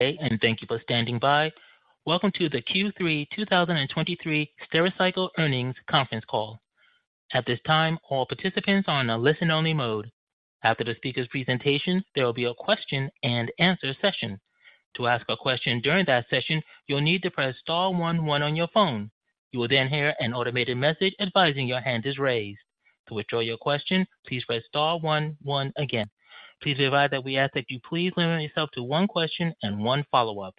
Thank you for standing by. Welcome to the Q3 2023 Stericycle Earnings Conference Call. At this time, all participants are on a listen-only mode. After the speaker's presentation, there will be a question and answer session. To ask a question during that session, you'll need to press star one one on your phone. You will then hear an automated message advising your hand is raised. To withdraw your question, please press star one one again. Please be advised that we ask that you please limit yourself to one question and one follow-up.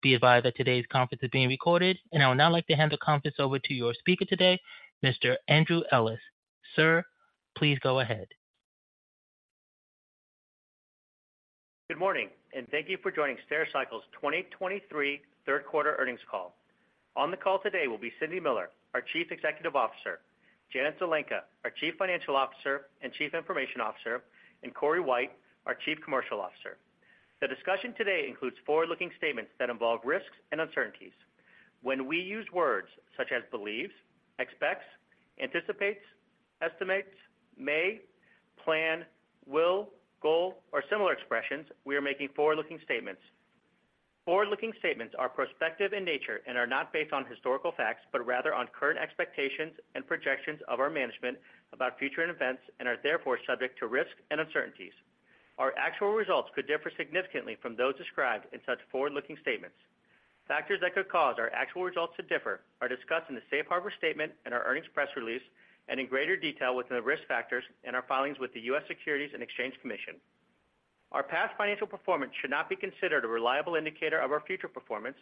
Be advised that today's conference is being recorded, and I would now like to hand the conference over to your speaker today, Mr. Andrew Ellis. Sir, please go ahead. Good morning, and thank you for joining Stericycle's 2023 Q3 earnings call. On the call today will be Cindy Miller, our Chief Executive Officer, Janet Zelenka, our Chief Financial Officer and Chief Information Officer, and Cory White, our Chief Commercial Officer. The discussion today includes forward-looking statements that involve risks and uncertainties. When we use words such as believes, expects, anticipates, estimates, may, plan, will, goal, or similar expressions, we are making forward-looking statements. Forward-looking statements are prospective in nature and are not based on historical facts, but rather on current expectations and projections of our management about future events, and are therefore subject to risks and uncertainties. Our actual results could differ significantly from those described in such forward-looking statements. Factors that could cause our actual results to differ are discussed in the safe harbor statement and our earnings press release and in greater detail within the risk factors in our filings with the U.S. Securities and Exchange Commission. Our past financial performance should not be considered a reliable indicator of our future performance,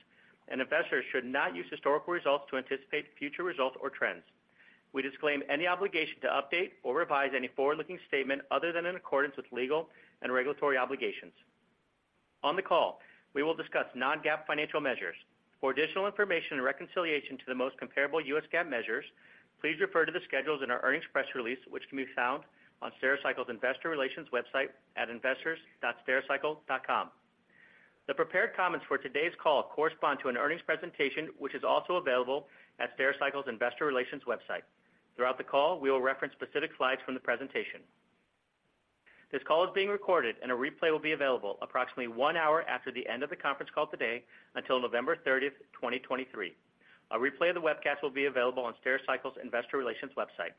and investors should not use historical results to anticipate future results or trends. We disclaim any obligation to update or revise any forward-looking statement other than in accordance with legal and regulatory obligations. On the call, we will discuss non-GAAP financial measures. For additional information and reconciliation to the most comparable U.S. GAAP measures, please refer to the schedules in our earnings press release, which can be found on Stericycle's Investor Relations website at investors.stericycle.com. The prepared comments for today's call correspond to an earnings presentation, which is also available at Stericycle's Investor Relations website. Throughout the call, we will reference specific slides from the presentation. This call is being recorded, and a replay will be available approximately one hour after the end of the conference call today until November 30, 2023. A replay of the webcast will be available on Stericycle's Investor Relations website.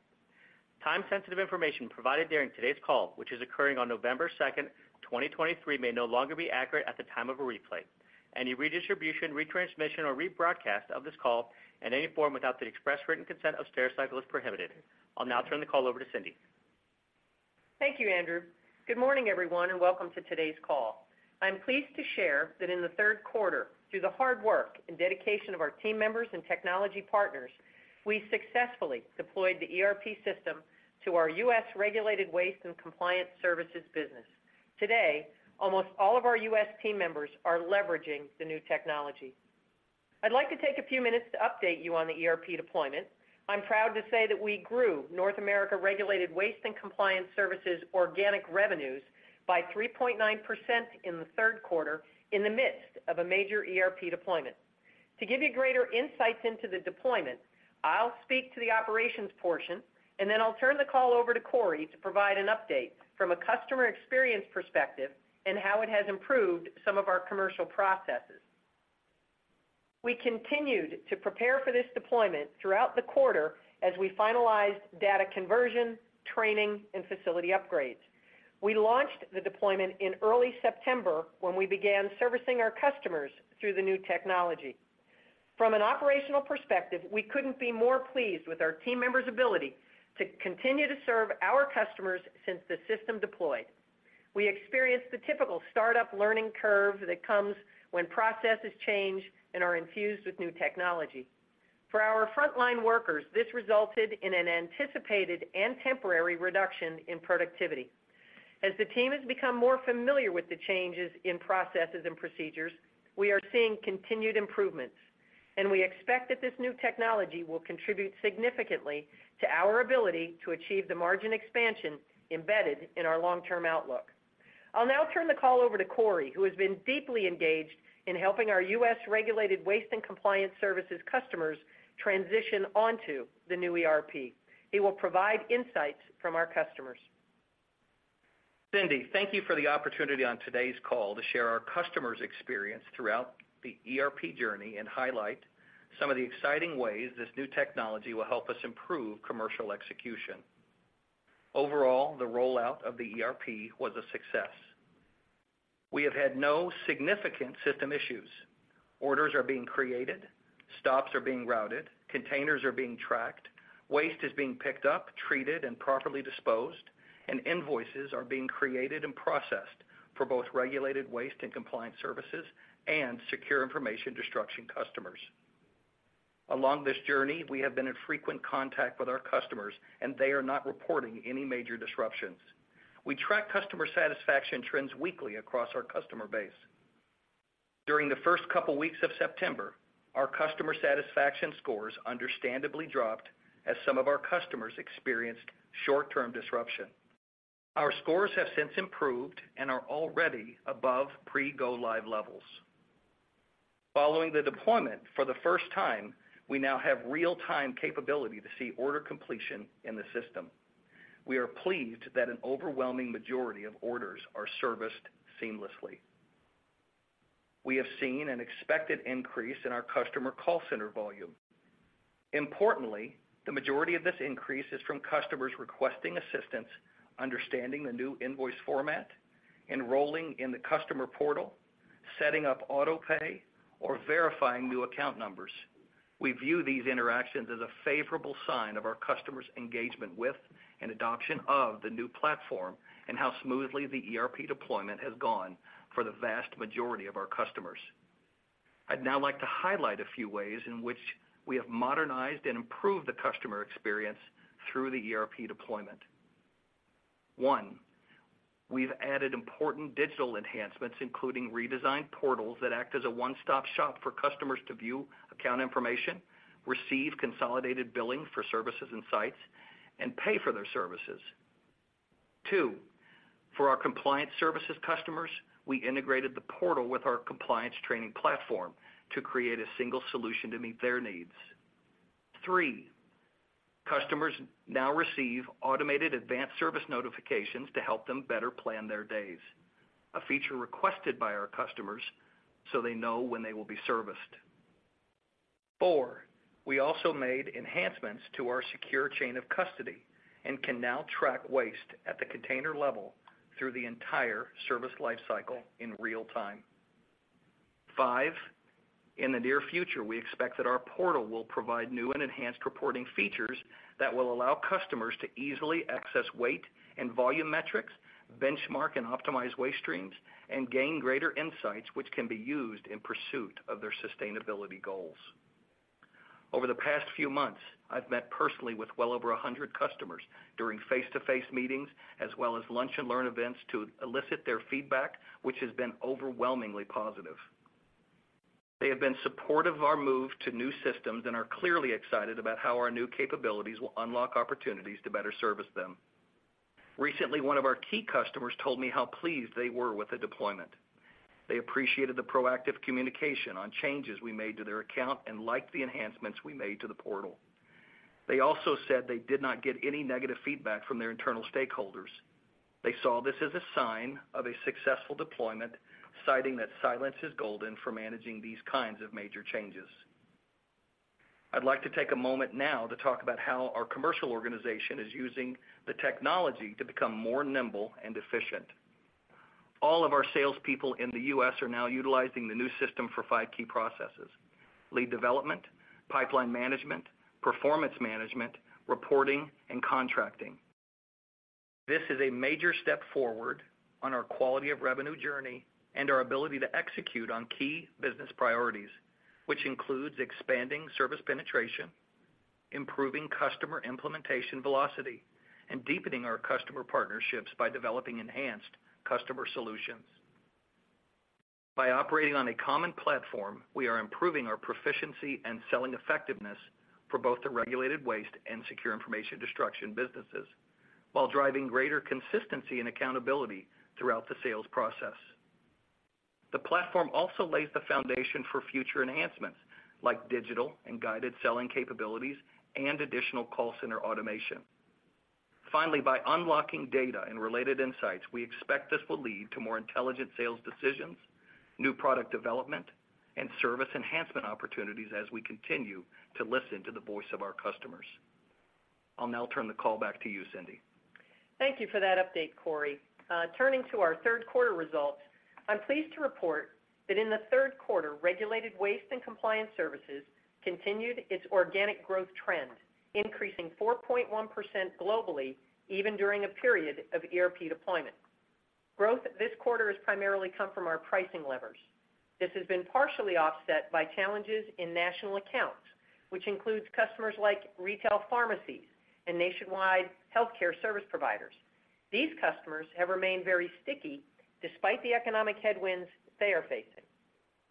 Time-sensitive information provided during today's call, which is occurring on November 2, 2023, may no longer be accurate at the time of a replay. Any redistribution, retransmission, or rebroadcast of this call in any form without the express written consent of Stericycle is prohibited. I'll now turn the call over to Cindy. Thank you, Andrew. Good morning, everyone, and welcome to today's call. I'm pleased to share that in the Q3, through the hard work and dedication of our team members and technology partners, we successfully deployed the ERP system to our U.S. Regulated Waste and Compliance Services business. Today, almost all of our U.S. team members are leveraging the new technology. I'd like to take a few minutes to update you on the ERP deployment. I'm proud to say that we grew North America Regulated Waste and Compliance Services organic revenues by 3.9% in the Q3, in the midst of a major ERP deployment. To give you greater insights into the deployment, I'll speak to the operations portion, and then I'll turn the call over to Cory to provide an update from a customer experience perspective and how it has improved some of our commercial processes. We continued to prepare for this deployment throughout the quarter as we finalized data conversion, training, and facility upgrades. We launched the deployment in early September, when we began servicing our customers through the new technology. From an operational perspective, we couldn't be more pleased with our team members' ability to continue to serve our customers since the system deployed. We experienced the typical startup learning curve that comes when processes change and are infused with new technology. For our frontline workers, this resulted in an anticipated and temporary reduction in productivity. As the team has become more familiar with the changes in processes and procedures, we are seeing continued improvements, and we expect that this new technology will contribute significantly to our ability to achieve the margin expansion embedded in our long-term outlook. I'll now turn the call over to Cory, who has been deeply engaged in helping our US Regulated Waste and Compliance Services customers transition onto the new ERP. He will provide insights from our customers. Cindy, thank you for the opportunity on today's call to share our customers' experience throughout the ERP journey and highlight some of the exciting ways this new technology will help us improve commercial execution. Overall, the rollout of the ERP was a success. We have had no significant system issues. Orders are being created, stops are being routed, containers are being tracked, waste is being picked up, treated, and properly disposed, and invoices are being created and processed for both Regulated Waste and Compliance Services and Secure Information Destruction customers. Along this journey, we have been in frequent contact with our customers, and they are not reporting any major disruptions. We track customer satisfaction trends weekly across our customer base. During the first couple weeks of September, our customer satisfaction scores understandably dropped as some of our customers experienced short-term disruption. Our scores have since improved and are already above pre-go-live levels.... Following the deployment, for the first time, we now have real-time capability to see order completion in the system. We are pleased that an overwhelming majority of orders are serviced seamlessly. We have seen an expected increase in our customer call center volume. Importantly, the majority of this increase is from customers requesting assistance, understanding the new invoice format, enrolling in the customer portal, setting up auto pay, or verifying new account numbers. We view these interactions as a favorable sign of our customers' engagement with and adoption of the new platform, and how smoothly the ERP deployment has gone for the vast majority of our customers. I'd now like to highlight a few ways in which we have modernized and improved the customer experience through the ERP deployment. 1, we've added important digital enhancements, including redesigned portals that act as a one-stop shop for customers to view account information, receive consolidated billing for services and sites, and pay for their services. 2, for our compliance services customers, we integrated the portal with our compliance training platform to create a single solution to meet their needs. 3, customers now receive automated advanced service notifications to help them better plan their days, a feature requested by our customers so they know when they will be serviced. 4, we also made enhancements to our secure chain of custody and can now track waste at the container level through the entire service life cycle in real time. Five, in the near future, we expect that our portal will provide new and enhanced reporting features that will allow customers to easily access weight and volume metrics, benchmark and optimize waste streams, and gain greater insights, which can be used in pursuit of their sustainability goals. Over the past few months, I've met personally with well over 100 customers during face-to-face meetings, as well as lunch and learn events to elicit their feedback, which has been overwhelmingly positive. They have been supportive of our move to new systems and are clearly excited about how our new capabilities will unlock opportunities to better service them. Recently, one of our key customers told me how pleased they were with the deployment. They appreciated the proactive communication on changes we made to their account and liked the enhancements we made to the portal. They also said they did not get any negative feedback from their internal stakeholders. They saw this as a sign of a successful deployment, citing that silence is golden for managing these kinds of major changes. I'd like to take a moment now to talk about how our commercial organization is using the technology to become more nimble and efficient. All of our salespeople in the U.S. are now utilizing the new system for five key processes: lead development, pipeline management, performance management, reporting, and contracting. This is a major step forward on our quality of revenue journey and our ability to execute on key business priorities, which includes expanding service penetration, improving customer implementation velocity, and deepening our customer partnerships by developing enhanced customer solutions. By operating on a common platform, we are improving our proficiency and selling effectiveness for both the regulated waste and secure information destruction businesses, while driving greater consistency and accountability throughout the sales process. The platform also lays the foundation for future enhancements like digital and guided selling capabilities and additional call center automation. Finally, by unlocking data and related insights, we expect this will lead to more intelligent sales decisions, new product development, and service enhancement opportunities as we continue to listen to the voice of our customers. I'll now turn the call back to you, Cindy. Thank you for that update, Cory. Turning to our Q3 results, I'm pleased to report that in the Q3, Regulated Waste and Compliance Services continued its organic growth trend, increasing 4.1% globally, even during a period of ERP deployment. Growth this quarter has primarily come from our pricing levers. This has been partially offset by challenges in national accounts, which includes customers like retail pharmacies and nationwide healthcare service providers. These customers have remained very sticky despite the economic headwinds they are facing.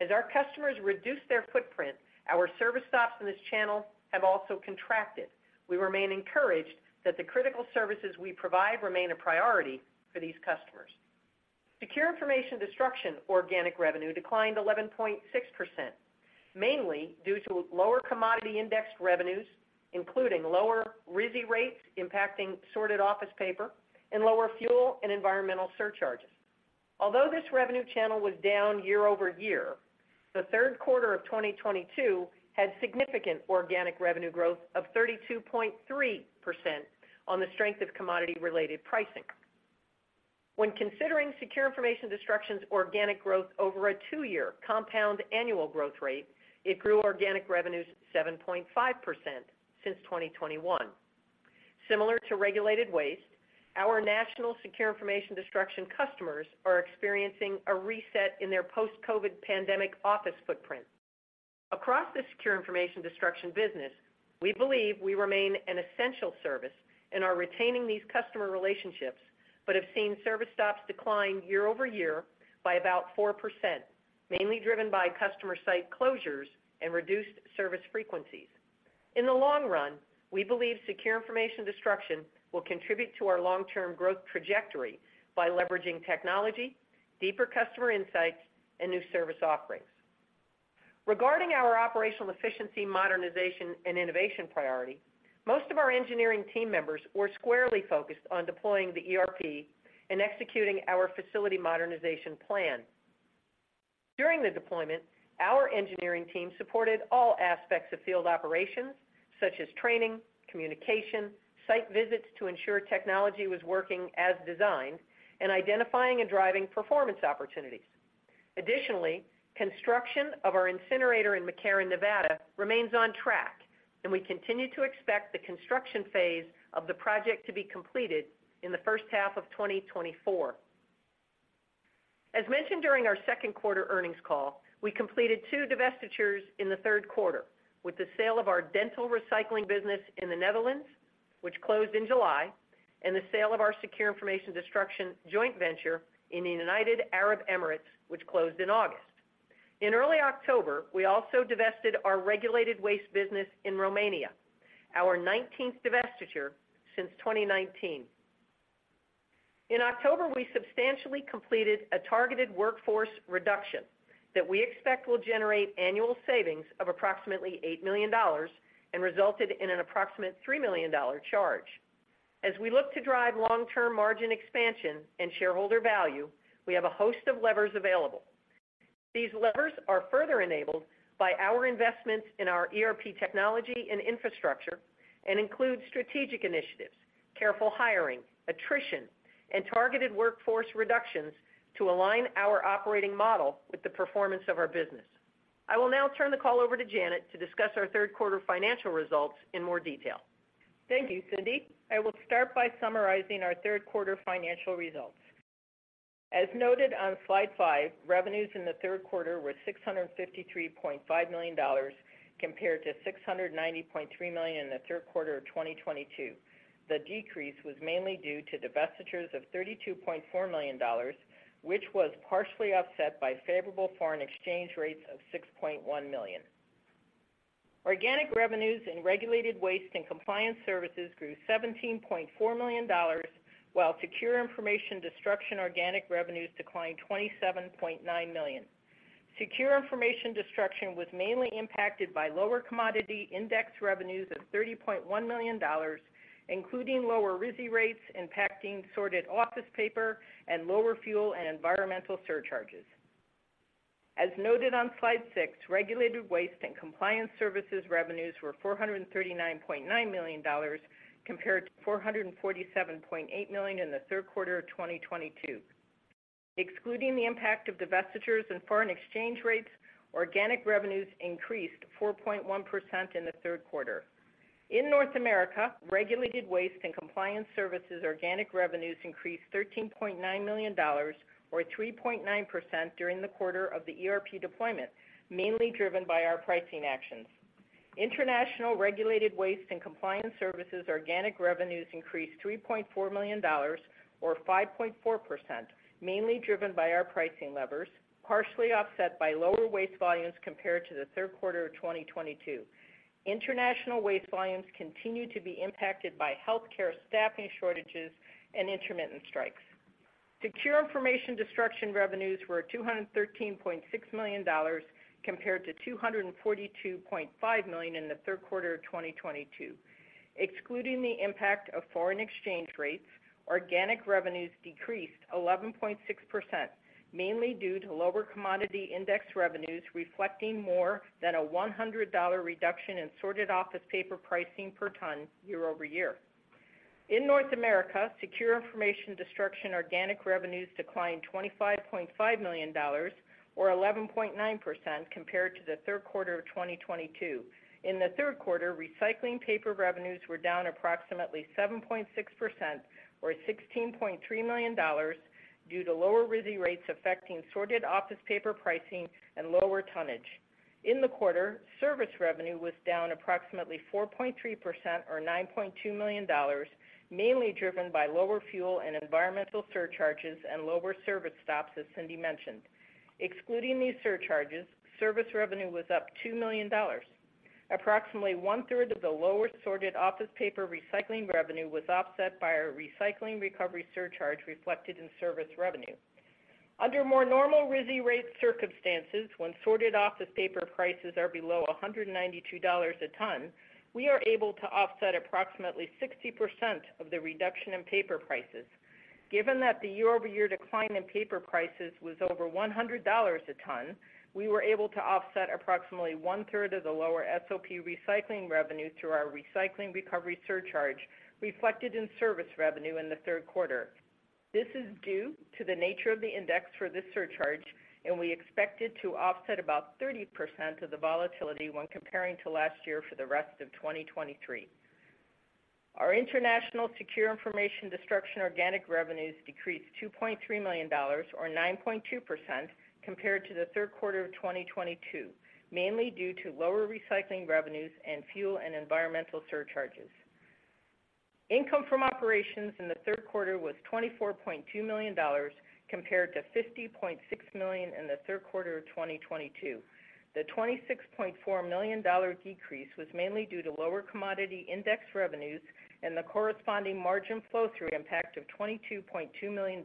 As our customers reduce their footprint, our service stops in this channel have also contracted. We remain encouraged that the critical services we provide remain a priority for these customers. Secure Information Destruction organic revenue declined 11.6%, mainly due to lower commodity index revenues, including lower RISI rates, impacting Sorted Office Paper and lower fuel and environmental surcharges. Although this revenue channel was down year-over-year, the Q3 of 2022 had significant organic revenue growth of 32.3% on the strength of commodity-related pricing. When considering Secure Information Destruction's organic growth over a two-year compound annual growth rate, it grew organic revenues 7.5% since 2021. Similar to regulated waste, our national Secure Information Destruction customers are experiencing a reset in their post-COVID pandemic office footprint. Across the Secure Information Destruction business, we believe we remain an essential service and are retaining these customer relationships, but have seen service stops decline year-over-year by about 4%, mainly driven by customer site closures and reduced service frequencies.... In the long run, we believe Secure Information Destruction will contribute to our long-term growth trajectory by leveraging technology, deeper customer insights, and new service offerings. Regarding our operational efficiency, modernization, and innovation priority, most of our engineering team members were squarely focused on deploying the ERP and executing our facility modernization plan. During the deployment, our engineering team supported all aspects of field operations, such as training, communication, site visits to ensure technology was working as designed, and identifying and driving performance opportunities. Additionally, construction of our incinerator in McCarran, Nevada, remains on track, and we continue to expect the construction phase of the project to be completed in the first half of 2024. As mentioned during our Q2 earnings call, we completed two divestitures in the Q3, with the sale of our dental recycling business in the Netherlands, which closed in July, and the sale of our Secure Information Destruction joint venture in the United Arab Emirates, which closed in August. In early October, we also divested our regulated waste business in Romania, our nineteenth divestiture since 2019. In October, we substantially completed a targeted workforce reduction that we expect will generate annual savings of approximately $8 million and resulted in an approximate $3 million charge. As we look to drive long-term margin expansion and shareholder value, we have a host of levers available. These levers are further enabled by our investments in our ERP technology and infrastructure and include strategic initiatives, careful hiring, attrition, and targeted workforce reductions to align our operating model with the performance of our business. I will now turn the call over to Janet to discuss our Q3 financial results in more detail. Thank you, Cindy. I will start by summarizing our Q3 financial results. As noted on slide five, revenues in the Q3 were $653.5 million, compared to $690.3 million in the Q3 of 2022. The decrease was mainly due to divestitures of $32.4 million, which was partially offset by favorable foreign exchange rates of $6.1 million. Organic revenues in Regulated Waste and Compliance Services grew $17.4 million, while Secure Information Destruction organic revenues declined $27.9 million. Secure Information Destruction was mainly impacted by lower commodity index revenues of $30.1 million, including lower RISI rates, impacting sorted office paper and lower fuel and environmental surcharges. As noted on slide six, Regulated Waste and Compliance Services revenues were $439.9 million, compared to $447.8 million in the Q3 of 2022. Excluding the impact of divestitures and foreign exchange rates, organic revenues increased 4.1% in the Q3. In North America, Regulated Waste and Compliance Services organic revenues increased $13.9 million, or 3.9% during the quarter of the ERP deployment, mainly driven by our pricing actions. International Regulated Waste and Compliance Services organic revenues increased $3.4 million or 5.4%, mainly driven by our pricing levers, partially offset by lower waste volumes compared to the Q3 of 2022. International waste volumes continue to be impacted by healthcare staffing shortages and intermittent strikes. Secure Information Destruction revenues were $213.6 million compared to $242.5 million in the Q3 of 2022. Excluding the impact of foreign exchange rates, organic revenues decreased 11.6%, mainly due to lower commodity index revenues, reflecting more than a $100 reduction in sorted office paper pricing per ton year-over-year. In North America, Secure Information Destruction organic revenues declined $25.5 million or 11.9% compared to the Q3 of 2022. In the Q3, recycling paper revenues were down approximately 7.6% or $16.3 million due to lower RISI rates affecting sorted office paper pricing and lower tonnage. In the quarter, service revenue was down approximately 4.3% or $9.2 million, mainly driven by lower fuel and environmental surcharges and lower service stops, as Cindy mentioned. Excluding these surcharges, service revenue was up $2 million. Approximately one-third of the lower sorted office paper recycling revenue was offset by our recycling recovery surcharge, reflected in service revenue. Under more normal RISI rate circumstances, when sorted office paper prices are below $192 a ton, we are able to offset approximately 60% of the reduction in paper prices. Given that the year-over-year decline in paper prices was over $100 a ton, we were able to offset approximately one-third of the lower SOP recycling revenue through our recycling recovery surcharge, reflected in service revenue in the Q3. This is due to the nature of the index for this surcharge, and we expect it to offset about 30% of the volatility when comparing to last year for the rest of 2023. Our International Secure Information Destruction organic revenues decreased $2.3 million or 9.2% compared to the Q3 of 2022, mainly due to lower recycling revenues and fuel and environmental surcharges. Income from operations in the Q3 was $24.2 million compared to $50.6 million in the Q3 of 2022. The $26.4 million decrease was mainly due to lower commodity index revenues and the corresponding margin flow-through impact of $22.2 million.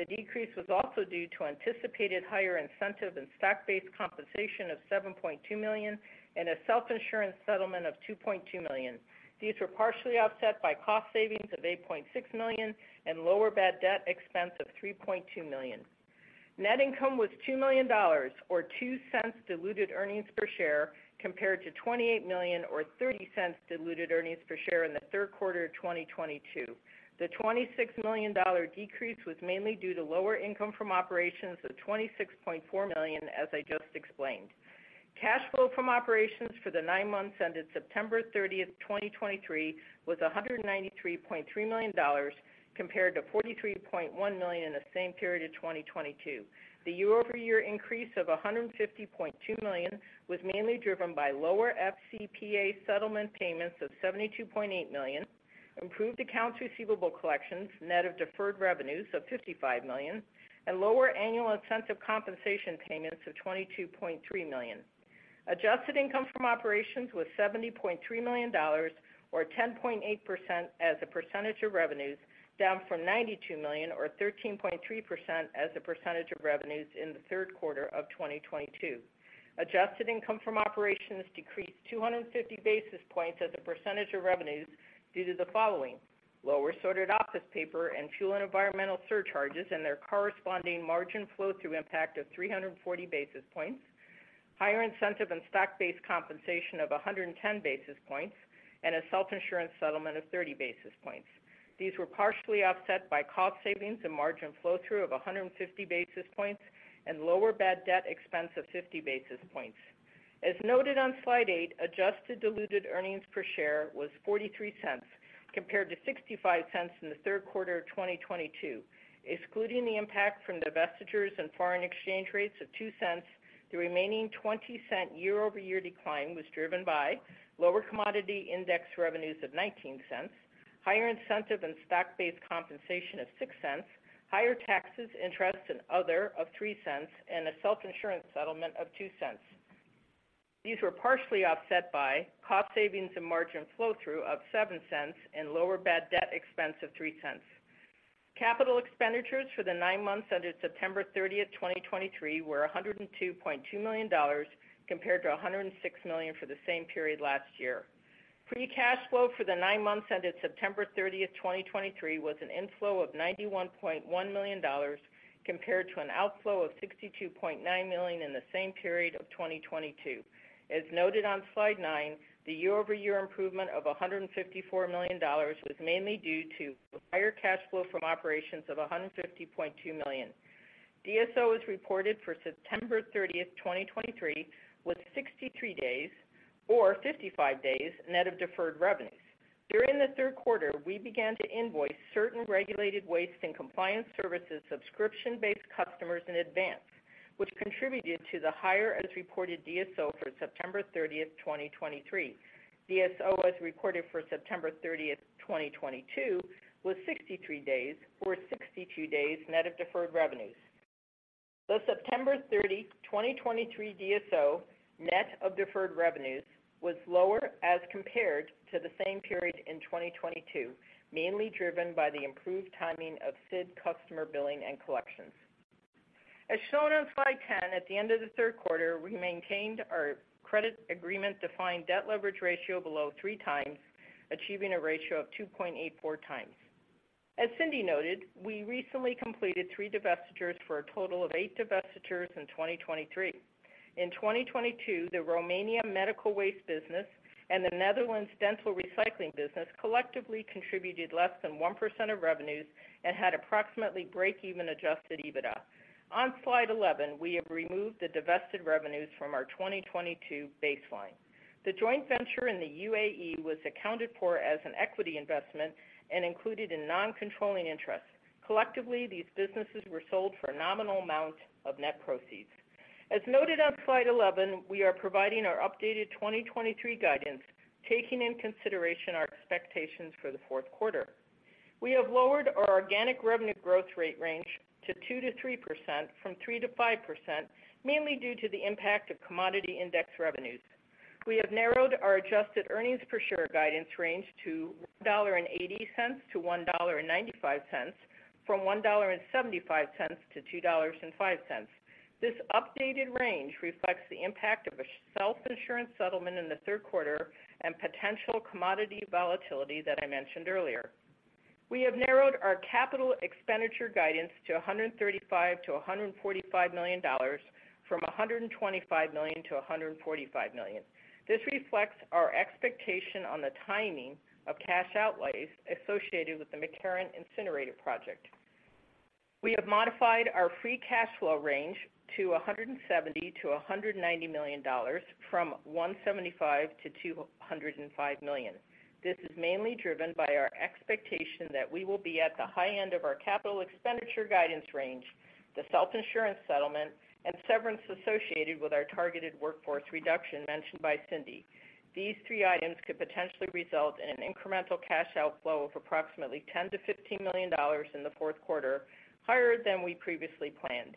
The decrease was also due to anticipated higher incentive and stock-based compensation of $7.2 million, and a self-insurance settlement of $2.2 million. These were partially offset by cost savings of $8.6 million and lower bad debt expense of $3.2 million. Net income was $2 million or $0.02 diluted earnings per share, compared to $28 million or $0.30 diluted earnings per share in the Q3 of 2022. The $26 million decrease was mainly due to lower income from operations of $26.4 million, as I just explained. Cash flow from operations for the nine months ended September 30, 2023, was $193.3 million compared to $43.1 million in the same period of 2022. The year-over-year increase of $150.2 million was mainly driven by lower FCPA settlement payments of $72.8 million, improved accounts receivable collections, net of deferred revenues of $55 million, and lower annual incentive compensation payments of $22.3 million. Adjusted income from operations was $70.3 million or 10.8% as a percentage of revenues, down from 92 million or 13.3% as a percentage of revenues in the Q3 of 2022. Adjusted income from operations decreased 250 basis points as a percentage of revenues due to the following: lower sorted office paper and fuel and environmental surcharges and their corresponding margin flow-through impact of 340 basis points, higher incentive and stock-based compensation of 110 basis points, and a self-insurance settlement of 30 basis points. These were partially offset by cost savings and margin flow-through of 150 basis points and lower bad debt expense of 50 basis points. As noted on slide eight, adjusted diluted earnings per share was $0.43, compared to $0.65 in the Q3 of 2022. Excluding the impact from divestitures and foreign exchange rates of $0.02, the remaining $0.20 year-over-year decline was driven by lower commodity index revenues of $0.19, higher incentive and stock-based compensation of $0.06, higher taxes, interest, and other of $0.03, and a self-insurance settlement of $0.02. These were partially offset by cost savings and margin flow-through of $0.07 and lower bad debt expense of $0.03. Capital expenditures for the nine months ended September 30, 2023, were $102.2 million, compared to $106 million for the same period last year. Free cash flow for the nine months ended September 30, 2023, was an inflow of $91.1 million, compared to an outflow of $62.9 million in the same period of 2022. As noted on Slide nine, the year-over-year improvement of $154 million was mainly due to higher cash flow from operations of $150.2 million. DSO as reported for September 30, 2023, was 63 days or 55 days net of deferred revenues. During the Q3, we began to invoice certain Regulated Waste and Compliance Services subscription-based customers in advance, which contributed to the higher as reported DSO for September 30, 2023. DSO, as recorded for September 30, 2022, was 63 days or 62 days net of deferred revenues. The September 30, 2023, DSO, net of deferred revenues, was lower as compared to the same period in 2022, mainly driven by the improved timing of SID customer billing and collections. As shown on slide 10, at the end of the Q3, we maintained our credit agreement-defined debt leverage ratio below 3 times, achieving a ratio of 2.84 times. As Cindy noted, we recently completed 3 divestitures for a total of 8 divestitures in 2023. In 2022, the Romania medical waste business and the Netherlands dental recycling business collectively contributed less than 1% of revenues and had approximately break-even Adjusted EBITDA. On slide 11, we have removed the divested revenues from our 2022 baseline. The joint venture in the UAE was accounted for as an equity investment and included in non-controlling interests. Collectively, these businesses were sold for a nominal amount of net proceeds. As noted on slide 11, we are providing our updated 2023 guidance, taking in consideration our expectations for the Q4. We have lowered our organic revenue growth rate range to 2%-3% from 3%-5%, mainly due to the impact of commodity index revenues. We have narrowed our adjusted earnings per share guidance range to $1.80-$1.95, from $1.75-$2.05. This updated range reflects the impact of a self-insurance settlement in the Q3 and potential commodity volatility that I mentioned earlier. We have narrowed our capital expenditure guidance to $135-$145 million from $125-$145 million. This reflects our expectation on the timing of cash outflows associated with the McCarran Incinerator project.... We have modified our free cash flow range to $170-$190 million from $175-$205 million. This is mainly driven by our expectation that we will be at the high end of our capital expenditure guidance range, the self-insurance settlement, and severance associated with our targeted workforce reduction mentioned by Cindy. These three items could potentially result in an incremental cash outflow of approximately $10-$15 million in the Q4, higher than we previously planned.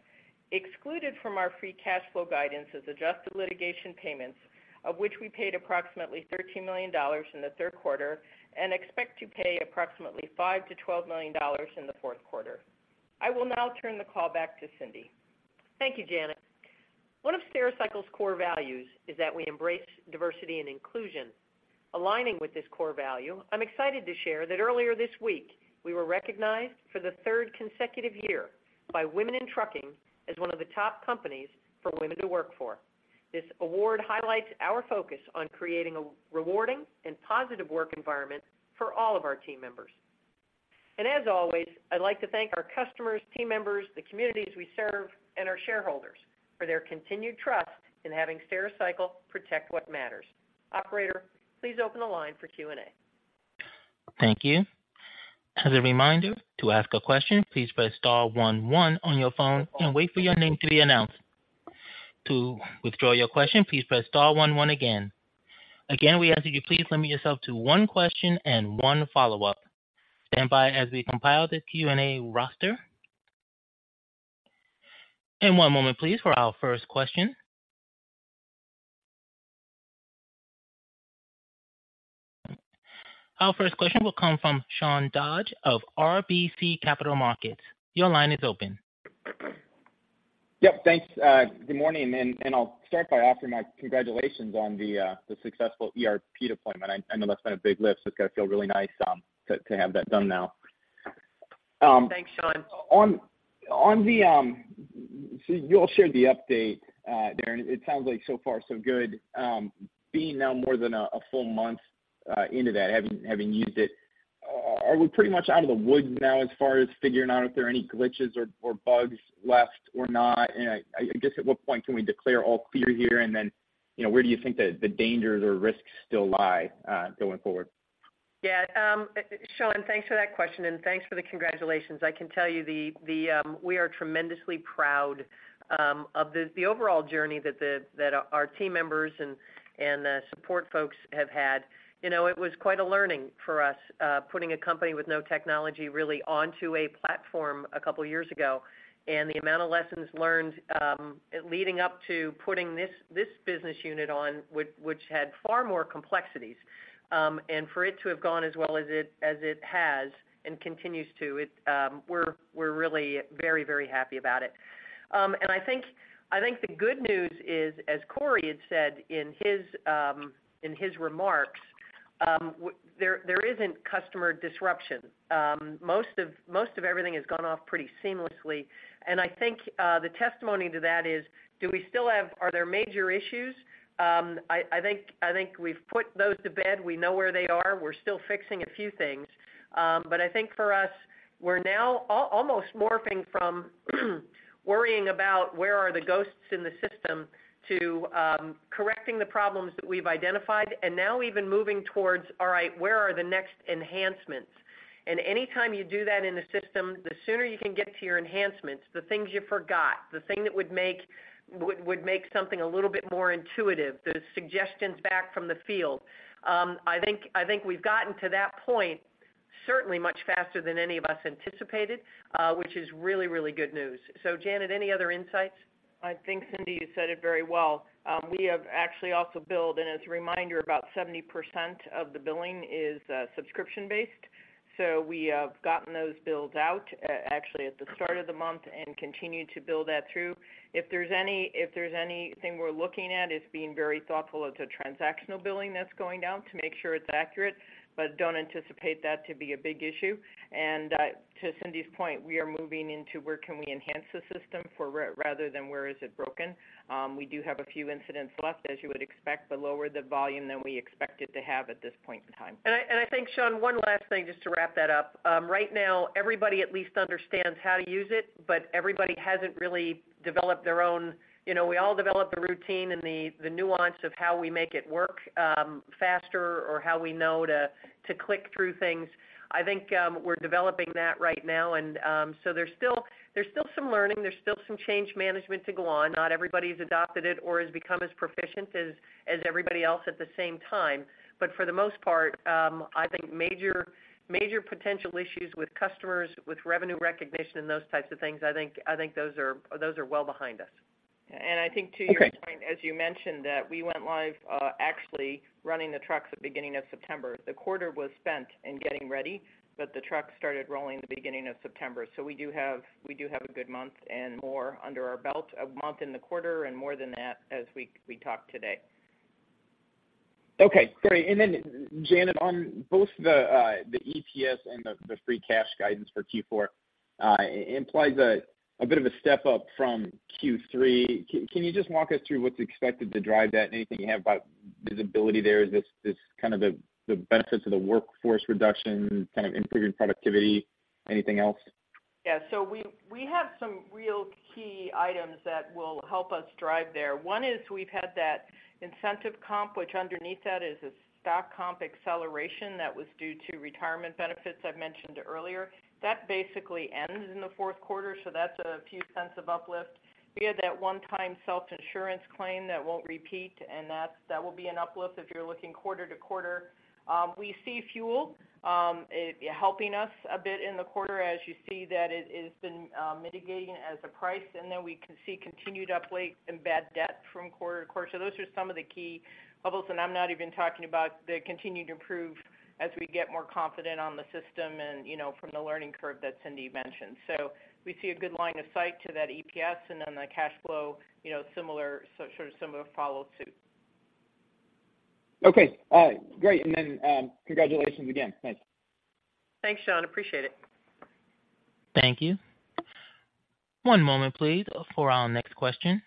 Excluded from our free cash flow guidance is adjusted litigation payments, of which we paid approximately $13 million in the Q3 and expect to pay approximately $5-$12 million in the Q4. I will now turn the call back to Cindy. Thank you, Janet. One of Stericycle's core values is that we embrace diversity and inclusion. Aligning with this core value, I'm excited to share that earlier this week, we were recognized for the third consecutive year by Women In Trucking as one of the top companies for women to work for. This award highlights our focus on creating a rewarding and positive work environment for all of our team members. As always, I'd like to thank our customers, team members, the communities we serve, and our shareholders for their continued trust in having Stericycle protect what matters. Operator, please open the line for Q&A. Thank you. As a reminder, to ask a question, please press star one one on your phone and wait for your name to be announced. To withdraw your question, please press star one one again. Again, we ask that you please limit yourself to one question and one follow-up. Stand by as we compile the Q&A roster. One moment, please, for our first question. Our first question will come from Sean Dodge of RBC Capital Markets. Your line is open. Yep, thanks. Good morning, and I'll start by offering my congratulations on the successful ERP deployment. I know that's been a big lift, so it's got to feel really nice to have that done now. Thanks, Sean. So you all shared the update there, and it sounds like so far so good. Being now more than a full month into that, having used it, are we pretty much out of the woods now as far as figuring out if there are any glitches or bugs left or not? And I guess, at what point can we declare all clear here? And then, you know, where do you think the dangers or risks still lie going forward? Yeah, Sean, thanks for that question, and thanks for the congratulations. I can tell you we are tremendously proud of the overall journey that our team members and support folks have had. You know, it was quite a learning for us, putting a company with no technology really onto a platform a couple of years ago, and the amount of lessons learned, leading up to putting this business unit on, which had far more complexities, and for it to have gone as well as it has and continues to, we're really very, very happy about it. And I think the good news is, as Cory had said in his remarks, there isn't customer disruption. Most of everything has gone off pretty seamlessly, and I think the testimony to that is, do we still have, are there major issues? I think we've put those to bed. We know where they are. We're still fixing a few things. But I think for us, we're now almost morphing from worrying about where are the ghosts in the system to correcting the problems that we've identified, and now even moving towards, all right, where are the next enhancements? And anytime you do that in a system, the sooner you can get to your enhancements, the things you forgot, the thing that would make something a little bit more intuitive, the suggestions back from the field. I think, I think we've gotten to that point certainly much faster than any of us anticipated, which is really, really good news. So Janet, any other insights? I think, Cindy, you said it very well. We have actually also billed, and as a reminder, about 70% of the billing is subscription-based. So we have gotten those bills out, actually at the start of the month and continued to build that through. If there's any, if there's anything we're looking at, it's being very thoughtful of the transactional billing that's going out to make sure it's accurate, but don't anticipate that to be a big issue. And, to Cindy's point, we are moving into where can we enhance the system for rather than where is it broken. We do have a few incidents left, as you would expect, but lower the volume than we expected to have at this point in time. I think, Sean, one last thing just to wrap that up. Right now, everybody at least understands how to use it, but everybody hasn't really developed their own... You know, we all develop a routine and the nuance of how we make it work faster or how we know to click through things. I think we're developing that right now, and so there's still, there's still some learning, there's still some change management to go on. Not everybody's adopted it or has become as proficient as everybody else at the same time. But for the most part, I think major, major potential issues with customers, with revenue recognition, and those types of things, I think those are, those are well behind us. And I think to your point, as you mentioned, that we went live, actually running the trucks at the beginning of September. The quarter was spent in getting ready, but the trucks started rolling the beginning of September. So we do have, we do have a good month and more under our belt, a month in the quarter and more than that as we, we talk today. Okay, great. And then, Janet, on both the EPS and the free cash guidance for Q4, it implies a bit of a step up from Q3. Can you just walk us through what's expected to drive that? Anything you have about visibility there? Is this kind of the benefits of the workforce reduction, kind of improving productivity? Anything else?... Yeah, so we have some real key items that will help us drive there. One is we've had that incentive comp, which underneath that is a stock comp acceleration that was due to retirement benefits I've mentioned earlier. That basically ends in the Q4, so that's a few cents of uplift. We had that one-time self-insurance claim that won't repeat, and that will be an uplift if you're looking quarter to quarter. We see fuel helping us a bit in the quarter as you see that it's been mitigating as a price, and then we can see continued uplift in bad debt from quarter to quarter. So those are some of the key levels, and I'm not even talking about the continued improve as we get more confident on the system and, you know, from the learning curve that Cindy mentioned. We see a good line of sight to that EPS, and then the cash flow, you know, similar, so sort of similar follow suit. Okay, all right. Great, and then, congratulations again. Thanks. Thanks, Sean. Appreciate it. Thank you. One moment, please, for our next question.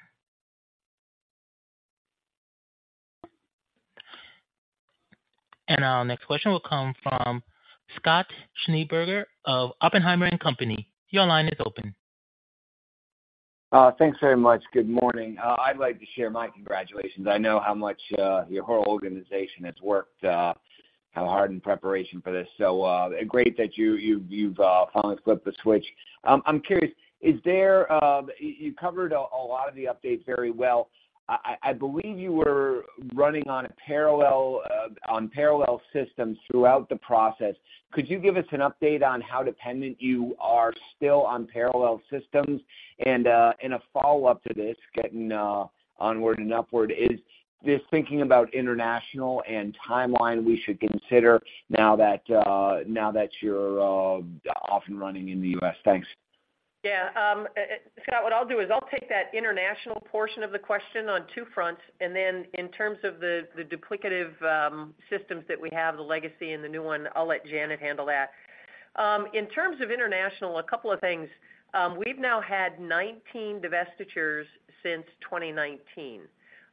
Our next question will come from Scott Schneeberger of Oppenheimer and Company. Your line is open. Thanks very much. Good morning. I'd like to share my congratulations. I know how much your whole organization has worked, how hard in preparation for this, so great that you've finally flipped the switch. I'm curious. You covered a lot of the updates very well. I believe you were running on parallel systems throughout the process. Could you give us an update on how dependent you are still on parallel systems? A follow-up to this, getting onward and upward, is this thinking about international and timeline we should consider now that you're off and running in the US? Thanks. Yeah, Scott, what I'll do is I'll take that international portion of the question on two fronts, and then in terms of the duplicative systems that we have, the legacy and the new one, I'll let Janet handle that. In terms of international, a couple of things, we've now had 19 divestitures since 2019.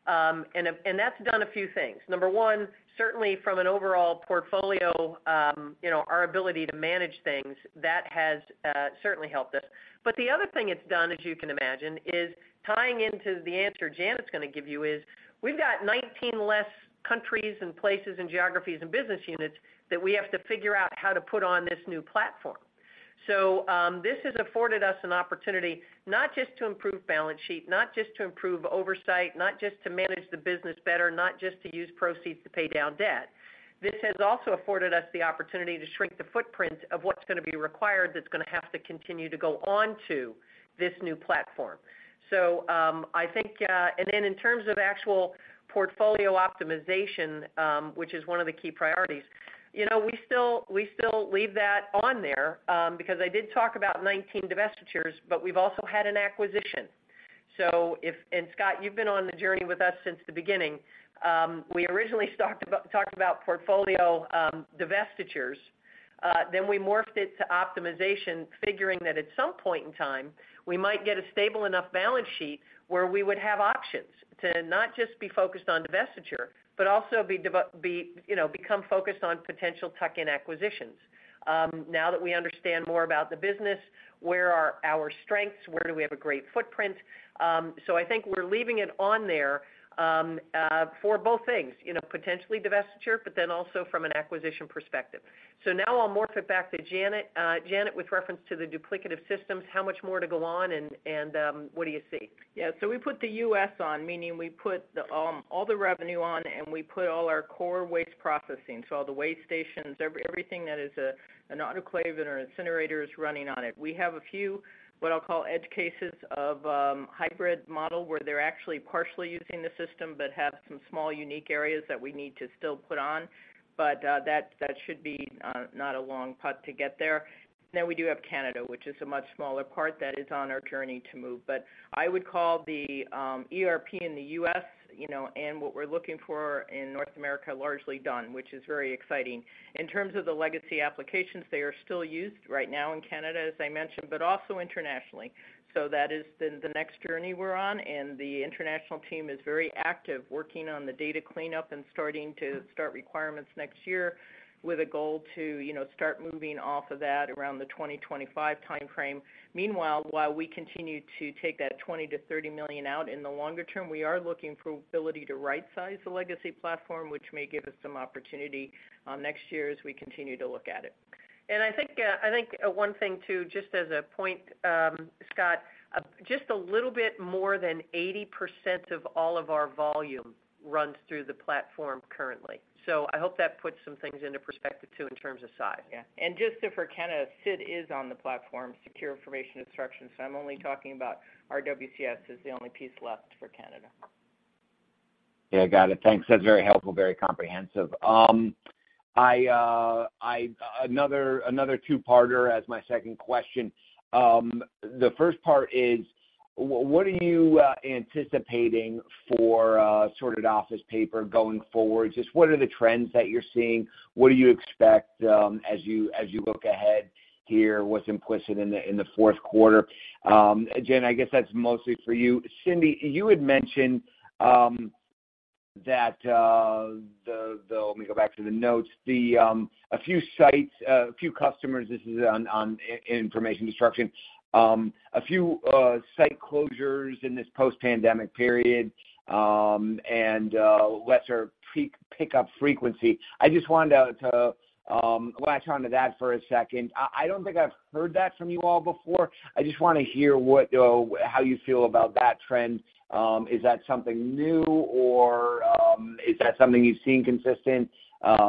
And that's done a few things. Number one, certainly from an overall portfolio, you know, our ability to manage things, that has certainly helped us. But the other thing it's done, as you can imagine, is tying into the answer Janet's gonna give you is, we've got 19 less countries and places and geographies and business units that we have to figure out how to put on this new platform. So, this has afforded us an opportunity not just to improve balance sheet, not just to improve oversight, not just to manage the business better, not just to use proceeds to pay down debt. This has also afforded us the opportunity to shrink the footprint of what's gonna be required, that's gonna have to continue to go on to this new platform. So, I think. And then in terms of actual portfolio optimization, which is one of the key priorities, you know, we still, we still leave that on there, because I did talk about 19 divestitures, but we've also had an acquisition. So, Scott, you've been on the journey with us since the beginning. We originally talked about portfolio divestitures, then we morphed it to optimization, figuring that at some point in time, we might get a stable enough balance sheet where we would have options to not just be focused on divestiture, but also be, you know, become focused on potential tuck-in acquisitions. Now that we understand more about the business, where are our strengths? Where do we have a great footprint? So I think we're leaving it on there for both things, you know, potentially divestiture, but then also from an acquisition perspective. So now I'll morph it back to Janet. Janet, with reference to the duplicative systems, how much more to go on and what do you see? Yeah, so we put the US on, meaning we put the all the revenue on, and we put all our core waste processing. So all the waste stations, everything that is an autoclave and our incinerator is running on it. We have a few, what I'll call, edge cases of hybrid model, where they're actually partially using the system, but have some small unique areas that we need to still put on. But that should be not a long putt to get there. Then we do have Canada, which is a much smaller part that is on our journey to move. But I would call the ERP in the US, you know, and what we're looking for in North America, largely done, which is very exciting. In terms of the legacy applications, they are still used right now in Canada, as I mentioned, but also internationally. That is the next journey we're on, and the international team is very active, working on the data cleanup and starting requirements next year with a goal to, you know, start moving off of that around the 2025 timeframe. Meanwhile, while we continue to take that $20 million-$30 million out in the longer term, we are looking for ability to rightsize the legacy platform, which may give us some opportunity next year as we continue to look at it. I think one thing too, just as a point, Scott, just a little bit more than 80% of all of our volume runs through the platform currently. I hope that puts some things into perspective, too, in terms of size. Yeah. And just for Canada, SID is on the platform, Secure Information Destruction, so I'm only talking about our WCS is the only piece left for Canada. Yeah, got it. Thanks. That's very helpful, very comprehensive. Another two-parter as my second question. The first part is, what are you anticipating for sorted office paper going forward? Just what are the trends that you're seeing? What do you expect as you look ahead here, what's implicit in the Q4? Jen, I guess that's mostly for you. Cindy, you had mentioned that, let me go back to the notes. A few sites, a few customers, this is on information destruction. A few site closures in this post-pandemic period, and lesser peak pickup frequency. I just wanted to latch onto that for a second. I don't think I've heard that from you all before. I just wanna hear what, how you feel about that trend. Is that something new or, is that something you've seen consistent? I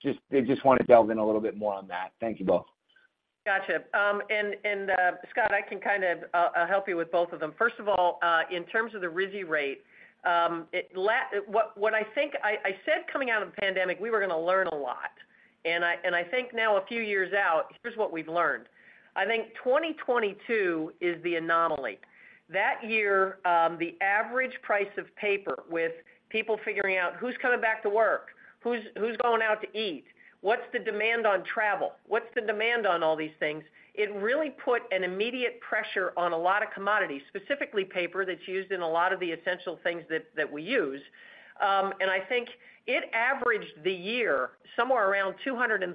just wanna delve in a little bit more on that. Thank you both. Gotcha. And, Scott, I can kind of help you with both of them. First of all, in terms of the RISI rate, what I think I said coming out of the pandemic, we were gonna learn a lot. And I think now, a few years out, here's what we've learned: I think 2022 is the anomaly. That year, the average price of paper, with people figuring out who's coming back to work, who's going out to eat, what's the demand on travel, what's the demand on all these things? It really put an immediate pressure on a lot of commodities, specifically paper, that's used in a lot of the essential things that we use. And I think it averaged the year somewhere around $235.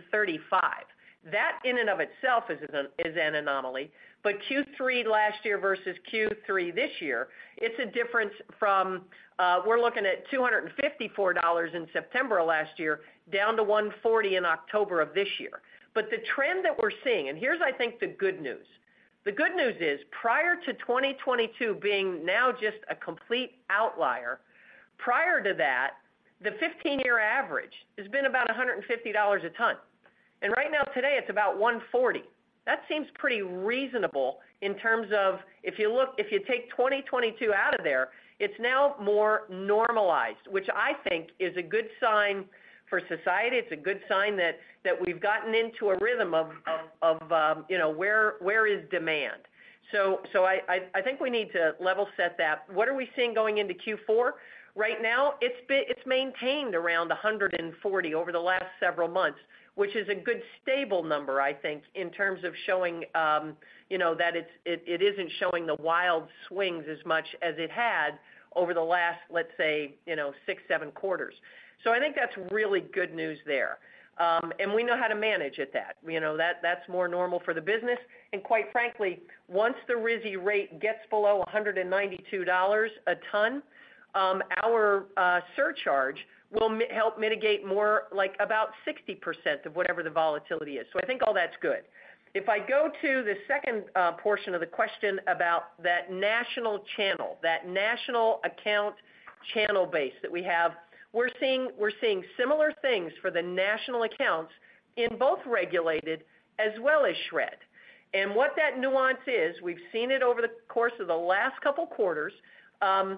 That, in and of itself, is an anomaly. But Q3 last year versus Q3 this year, it's a difference from, we're looking at $254 in September of last year, down to $140 in October of this year. But the trend that we're seeing, and here's, I think, the good news. The good news is, prior to 2022 being now just a complete outlier, prior to that, the 15-year average has been about $150 a ton. And right now, today, it's about $140. That seems pretty reasonable in terms of if you look, if you take 2022 out of there, it's now more normalized, which I think is a good sign for society. It's a good sign that we've gotten into a rhythm of, you know, where is demand. So I think we need to level set that. What are we seeing going into Q4? Right now, it's maintained around 140 over the last several months, which is a good stable number, I think, in terms of showing, you know, that it's, it isn't showing the wild swings as much as it had over the last, let's say, you know, six, seven quarters. So I think that's really good news there. And we know how to manage at that. You know, that's more normal for the business. And quite frankly, once the RISI rate gets below $192 a ton, our surcharge will help mitigate more, like, about 60% of whatever the volatility is. So I think all that's good. If I go to the second portion of the question about that national channel, that national account channel base that we have, we're seeing similar things for the national accounts in both regulated as well as shred. What that nuance is, we've seen it over the course of the last couple quarters, and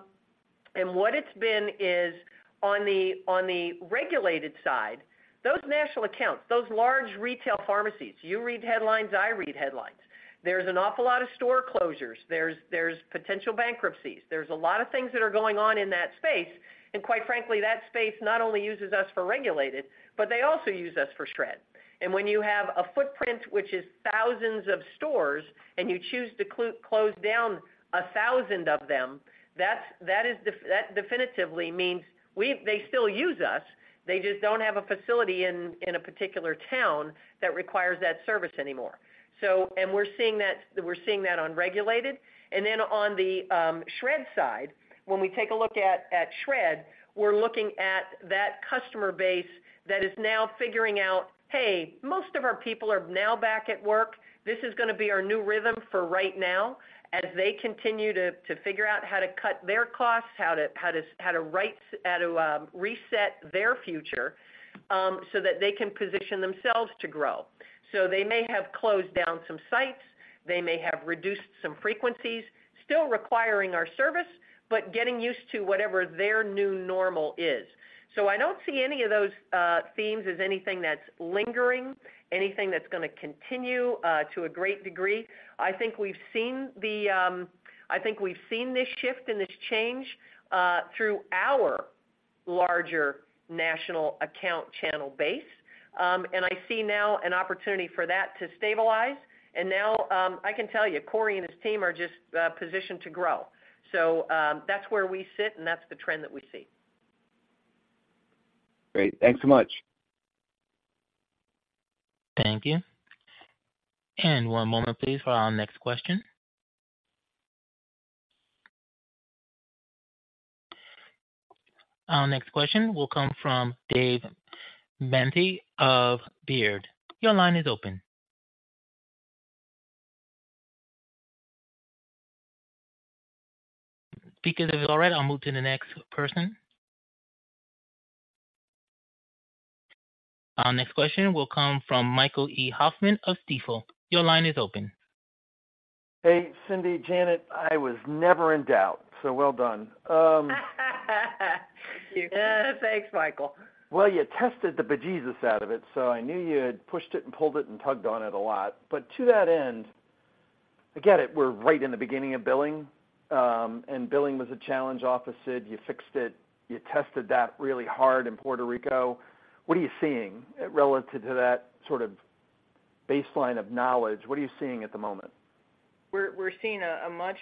what it's been is on the regulated side, those national accounts, those large retail pharmacies. You read headlines; I read headlines. There's an awful lot of store closures. There's potential bankruptcies. There's a lot of things that are going on in that space, and quite frankly, that space not only uses us for regulated, but they also use us for shred. When you have a footprint, which is thousands of stores, and you choose to close down 1,000 of them, that's, that is definitively means we've... They still use us, they just don't have a facility in a particular town that requires that service anymore. So, and we're seeing that, we're seeing that on regulated. And then on the shred side, when we take a look at shred, we're looking at that customer base that is now figuring out, "Hey, most of our people are now back at work. This is gonna be our new rhythm for right now," as they continue to figure out how to cut their costs, how to write, how to reset their future, so that they can position themselves to grow. So they may have closed down some sites, they may have reduced some frequencies, still requiring our service, but getting used to whatever their new normal is. So I don't see any of those themes as anything that's lingering, anything that's gonna continue to a great degree. I think we've seen this shift and this change through our larger national account channel base. And I see now an opportunity for that to stabilize. And now, I can tell you, Cory and his team are just positioned to grow. So, that's where we sit, and that's the trend that we see. Great. Thanks so much. Thank you. One moment, please, for our next question. Our next question will come from Dave Manthey of Baird. Your line is open. Speaker, if you're all right, I'll move to the next person. Our next question will come from Michael Hoffman of Stifel. Your line is open. Hey, Cindy, Janet, I was never in doubt, so well done. Thank you. Thanks, Michael. Well, you tested the bejesus out of it, so I knew you had pushed it and pulled it and tugged on it a lot. But to that end, again, we're right in the beginning of billing, and billing was a challenge off the SID. You fixed it. You tested that really hard in Puerto Rico. What are you seeing relative to that sort of baseline of knowledge, what are you seeing at the moment? We're seeing a much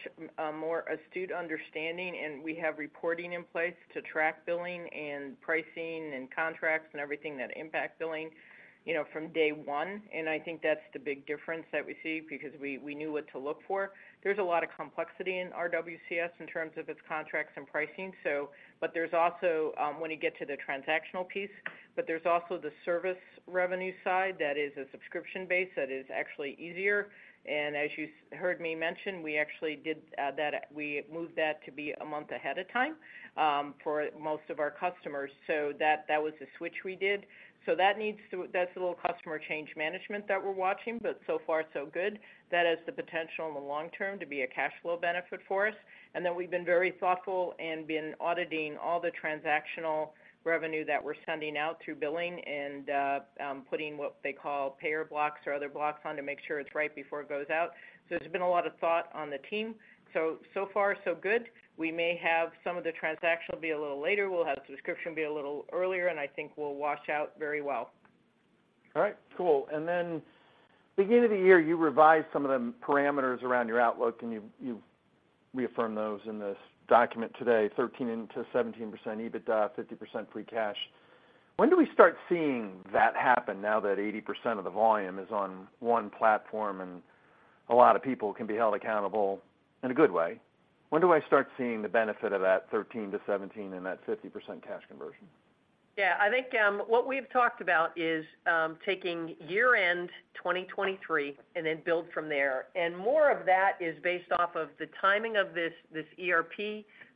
more astute understanding, and we have reporting in place to track billing and pricing and contracts and everything that impact billing, you know, from day one. And I think that's the big difference that we see, because we knew what to look for. There's a lot of complexity in RWCS in terms of its contracts and pricing, but there's also, when you get to the transactional piece, but there's also the service revenue side, that is a subscription base that is actually easier. And as you heard me mention, we actually did that, we moved that to be a month ahead of time, for most of our customers, so that was the switch we did. That's a little customer change management that we're watching, but so far, so good. That has the potential in the long term to be a cash flow benefit for us. Then we've been very thoughtful and been auditing all the transactional revenue that we're sending out through billing and putting what they call payer blocks or other blocks on to make sure it's right before it goes out. So there's been a lot of thought on the team. So far, so good. We may have some of the transactional be a little later. We'll have the subscription be a little earlier, and I think we'll wash out very well. All right, cool. And then, beginning of the year, you revised some of the parameters around your outlook, and you've reaffirmed those in this document today, 13%-17% EBITDA, 50% free cash. When do we start seeing that happen now that 80% of the volume is on one platform, and a lot of people can be held accountable in a good way? When do I start seeing the benefit of that 13%-17% and that 50% cash conversion? Yeah, I think, what we've talked about is, taking year-end 2023 and then build from there. And more of that is based off of the timing of this ERP,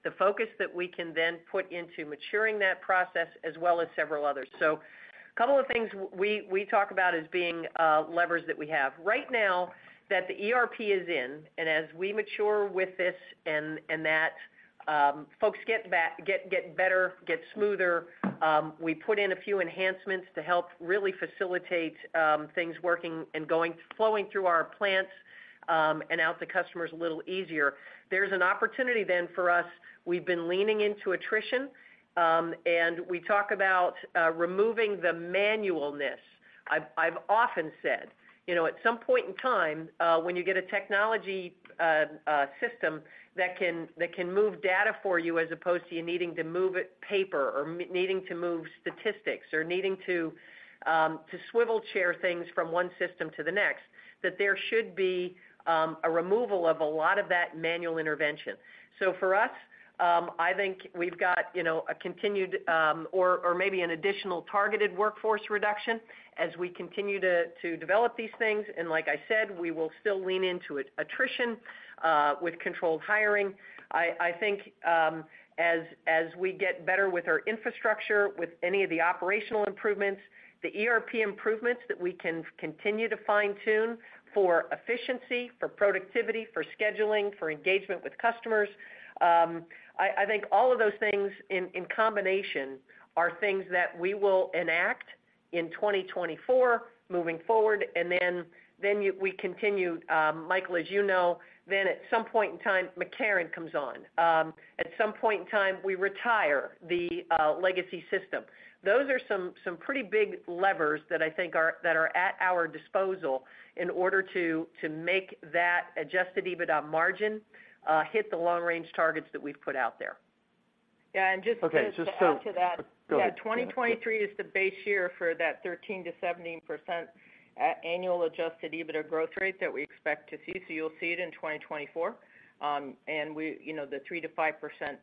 the focus that we can then put into maturing that process, as well as several others. So a couple of things we talk about as being, levers that we have. Right now, that the ERP is in, and as we mature with this and that, folks get better, get smoother, we put in a few enhancements to help really facilitate, things working and going, flowing through our plants, and out to customers a little easier. There's an opportunity then for us. We've been leaning into attrition, and we talk about, removing the manualness. I've often said, you know, at some point in time, when you get a technology system that can move data for you, as opposed to you needing to move it paper or needing to move statistics or needing to swivel chair things from one system to the next, that there should be a removal of a lot of that manual intervention. So for us, I think we've got, you know, a continued, or maybe an additional targeted workforce reduction as we continue to develop these things. And like I said, we will still lean into it, attrition, with controlled hiring. I think, as we get better with our infrastructure, with any of the operational improvements, the ERP improvements that we can continue to fine-tune for efficiency, for productivity, for scheduling, for engagement with customers, I think all of those things in combination are things that we will enact in 2024, moving forward, and then you- we continue, Michael, as you know, then at some point in time, McCarran comes on. At some point in time, we retire the legacy system. Those are some pretty big levers that I think are at our disposal in order to make that Adjusted EBITDA margin hit the long-range targets that we've put out there. Yeah, and just to add to that- Go ahead. Yeah, 2023 is the base year for that 13%-17% annual adjusted EBITDA growth rate that we expect to see. So you'll see it in 2024. And we, you know, the 3%-5%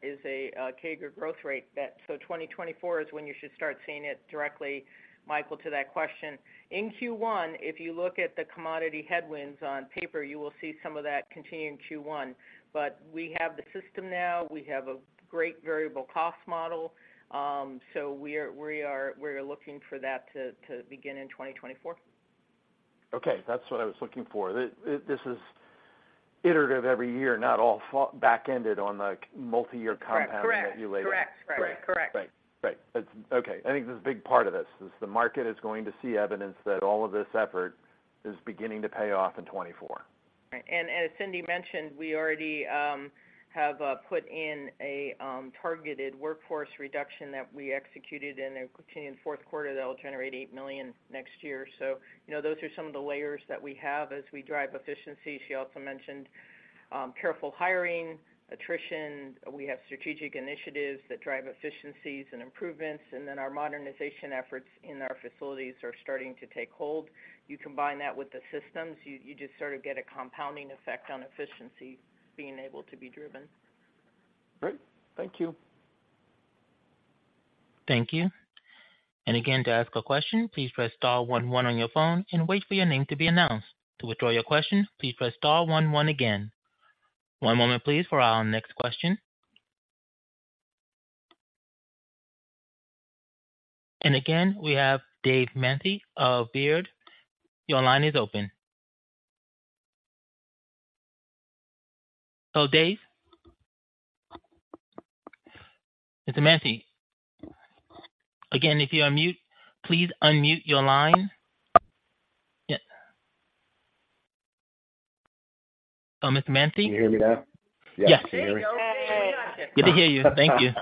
is a CAGR growth rate bet. So 2024 is when you should start seeing it directly, Michael, to that question. In Q1, if you look at the commodity headwinds on paper, you will see some of that continue in Q1. But we have the system now, we have a great variable cost model, so we're looking for that to begin in 2024. Okay, that's what I was looking for. This is iterative every year, not all back-ended on, like, multiyear compounding that you later- Correct. Correct. Great. Correct. Right. Right. It's... Okay, I think this is a big part of this, is the market is going to see evidence that all of this effort is beginning to pay off in 2024. Right. And as Cindy mentioned, we already have put in a targeted workforce reduction that we executed in the continuing Q4 that will generate $8 million next year. So you know, those are some of the layers that we have as we drive efficiency. She also mentioned careful hiring, attrition. We have strategic initiatives that drive efficiencies and improvements, and then our modernization efforts in our facilities are starting to take hold. You combine that with the systems, you just sort of get a compounding effect on efficiency being able to be driven. Great. Thank you. Thank you. And again, to ask a question, please press star one one on your phone and wait for your name to be announced. To withdraw your question, please press star one one again. One moment, please, for our next question. And again, we have Dave Manthey of Baird. Your line is open. Hello, Dave? Mr. Manthey? Again, if you're on mute, please unmute your line. Yeah.... So, Mr. Manthey? Can you hear me now? Yes. Can you hear me? Good to hear you. Thank you.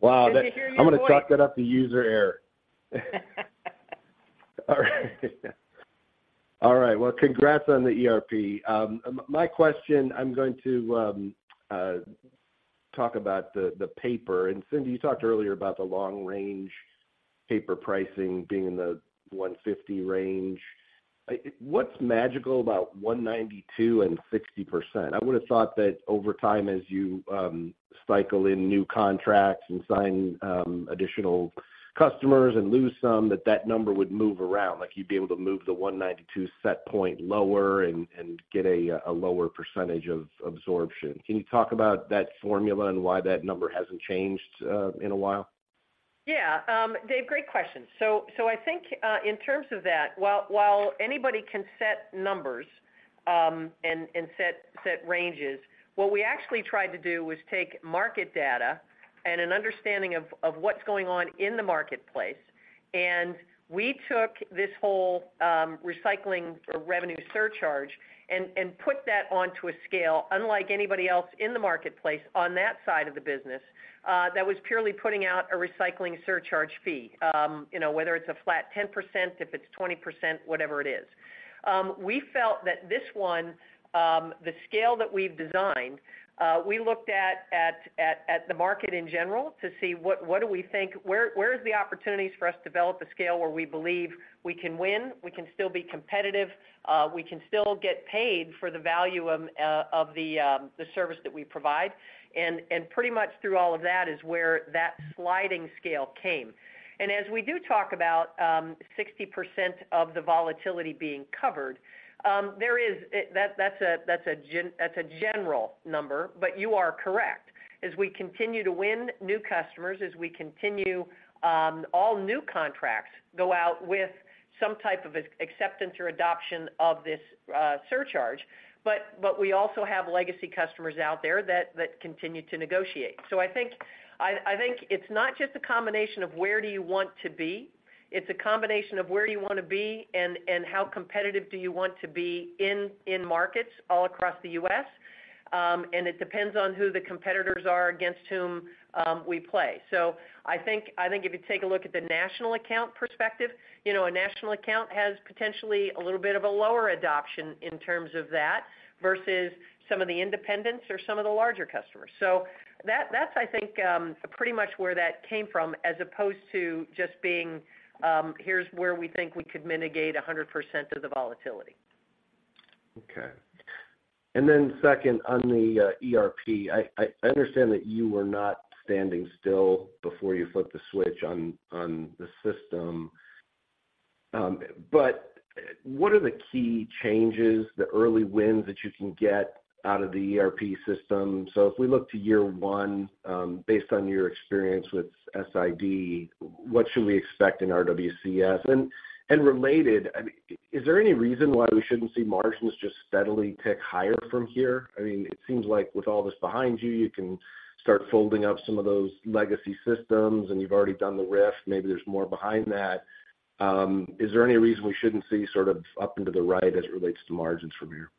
Wow! Good to hear your voice. I'm going to chalk that up to user error. All right. Well, congrats on the ERP. My question, I'm going to talk about the paper. And Cindy, you talked earlier about the long-range paper pricing being in the $150 range. What's magical about $192 and 60%? I would have thought that over time, as you cycle in new contracts and sign additional customers and lose some, that that number would move around. Like, you'd be able to move the $192 set point lower and get a lower percentage of absorption. Can you talk about that formula and why that number hasn't changed in a while? Yeah, Dave, great question. So, I think, in terms of that, while anybody can set numbers, and set ranges, what we actually tried to do was take market data and an understanding of what's going on in the marketplace. And we took this whole recycling revenue surcharge and put that onto a scale, unlike anybody else in the marketplace on that side of the business, that was purely putting out a recycling surcharge fee. You know, whether it's a flat 10%, if it's 20%, whatever it is. We felt that this one, the scale that we've designed, we looked at the market in general to see what do we think? Where, where is the opportunities for us to develop a scale where we believe we can win, we can still be competitive, we can still get paid for the value of, of the, the service that we provide. And pretty much through all of that is where that sliding scale came. And as we do talk about, 60% of the volatility being covered, there is... That's a, that's a general number, but you are correct. As we continue to win new customers, as we continue, all new contracts go out with some type of acceptance or adoption of this, surcharge. But we also have legacy customers out there that continue to negotiate. So I think it's not just a combination of where do you want to be? It's a combination of where you want to be and, and how competitive do you want to be in, in markets all across the U.S. And it depends on who the competitors are against whom we play. So I think, I think if you take a look at the national account perspective, you know, a national account has potentially a little bit of a lower adoption in terms of that, versus some of the independents or some of the larger customers. So that, that's, I think, pretty much where that came from, as opposed to just being, here's where we think we could mitigate 100% of the volatility. Okay. And then second, on the ERP, I understand that you were not standing still before you flipped the switch on the system. But what are the key changes, the early wins that you can get out of the ERP system? So if we look to year one, based on your experience with SID, what should we expect in RWCS? And related, I mean, is there any reason why we shouldn't see margins just steadily tick higher from here? I mean, it seems like with all this behind you, you can start folding up some of those legacy systems, and you've already done the RIF. Maybe there's more behind that. Is there any reason we shouldn't see sort of up into the right as it relates to margins from here?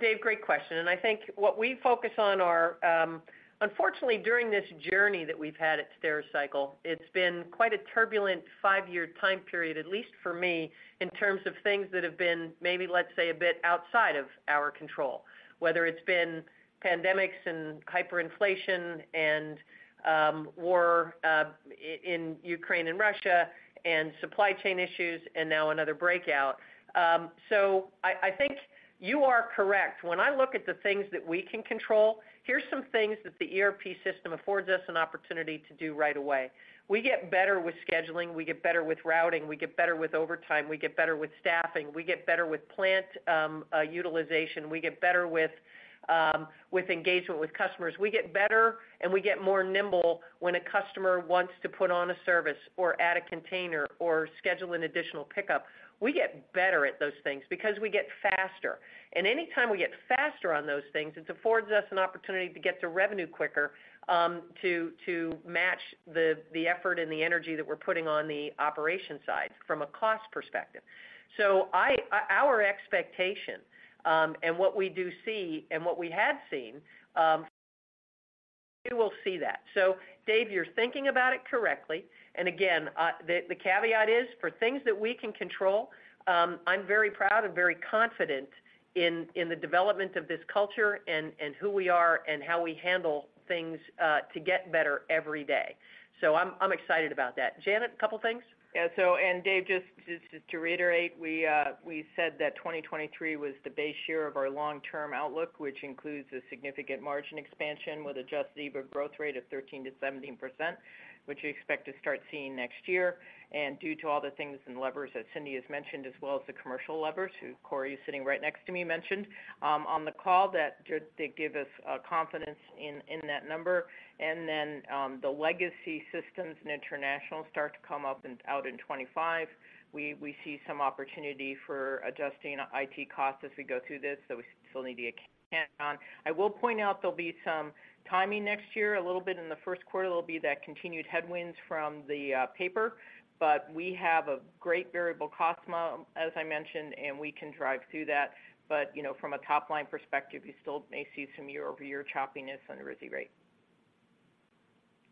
Dave, great question. And I think what we focus on are... Unfortunately, during this journey that we've had at Stericycle, it's been quite a turbulent five-year time period, at least for me, in terms of things that have been, maybe, let's say, a bit outside of our control. Whether it's been pandemics and hyperinflation and, war, in Ukraine and Russia, and supply chain issues, and now another breakout. So I think you are correct. When I look at the things that we can control, here's some things that the ERP system affords us an opportunity to do right away. We get better with scheduling, we get better with routing, we get better with overtime, we get better with staffing, we get better with plant utilization, we get better with engagement with customers. We get better and we get more nimble when a customer wants to put on a service or add a container or schedule an additional pickup. We get better at those things because we get faster. And anytime we get faster on those things, it affords us an opportunity to get to revenue quicker, to match the effort and the energy that we're putting on the operation side from a cost perspective. So our expectation, and what we do see and what we had seen, we will see that. So Dave, you're thinking about it correctly. And again, the caveat is, for things that we can control, I'm very proud and very confident in the development of this culture and who we are and how we handle things to get better every day. So I'm excited about that. Janet, a couple of things? Yeah, so and Dave, just to reiterate, we said that 2023 was the base year of our long-term outlook, which includes a significant margin expansion with adjusted EBITDA growth rate of 13%-17%, which we expect to start seeing next year. And due to all the things and levers that Cindy has mentioned, as well as the commercial levers who Cory is sitting right next to me mentioned on the call, that they give us confidence in that number. And then, the legacy systems and international start to come up out in 2025. We see some opportunity for adjusting IT costs as we go through this, so we still need to be account on. I will point out there'll be some timing next year, a little bit in the Q1, there'll be that continued headwinds from the paper, but we have a great variable cost model, as I mentioned, and we can drive through that. But, you know, from a top-line perspective, you still may see some year-over-year choppiness on the RISI rate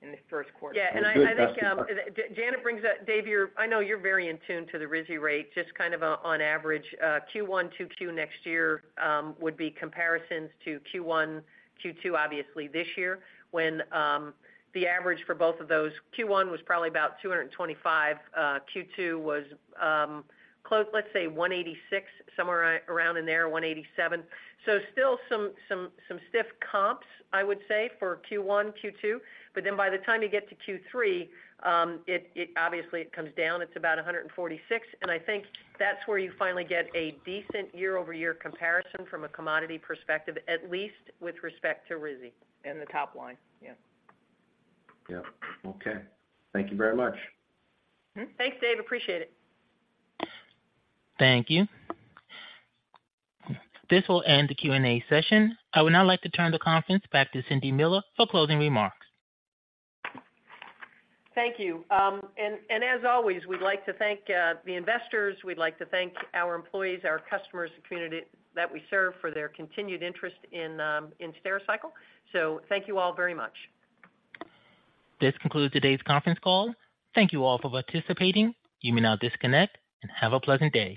in the Q1. Yeah, and I think Janet brings up, Dave, you're, I know you're very in tune to the RISI rate, just kind of on average, Q1, Q2 next year would be comparisons to Q1, Q2, obviously this year, when the average for both of those, Q1 was probably about $225, Q2 was close, let's say $186, somewhere around in there, $187. So still some stiff comps, I would say, for Q1, Q2, but then by the time you get to Q3, it obviously comes down, it's about 146, and I think that's where you finally get a decent year-over-year comparison from a commodity perspective, at least with respect to RISI. The top line. Yeah. Yeah. Okay. Thank you very much. Thanks, Dave, appreciate it. Thank you. This will end the Q&A session. I would now like to turn the conference back to Cindy Miller for closing remarks. Thank you. And as always, we'd like to thank the investors, we'd like to thank our employees, our customers, the community that we serve for their continued interest in Stericycle. So thank you all very much. This concludes today's conference call. Thank you all for participating. You may now disconnect and have a pleasant day.